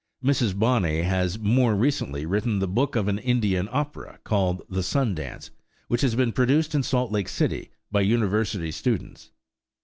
Mrs. Bonney has more recently written the book of an Indian opera called "The Sun Dance," which has been produced in Salt Lake City by university students.